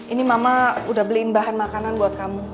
ini mama udah beliin bahan makanan buat kamu